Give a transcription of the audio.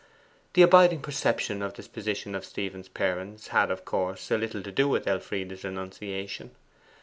The abiding perception of the position of Stephen's parents had, of course, a little to do with Elfride's renunciation.